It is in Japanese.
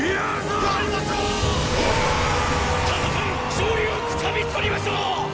戦い勝利をつかみとりましょう！